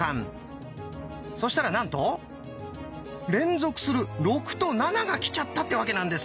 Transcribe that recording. そしたらなんと連続する「６」と「７」が来ちゃったってわけなんです。